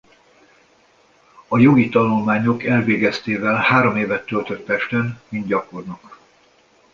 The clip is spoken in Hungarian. A jogi tanulmányok elvégeztével három évet töltött Pesten mint gyakornok.